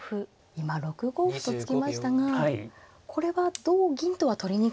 今６五歩と突きましたがこれは同銀とは取りにくかったんでしょうか？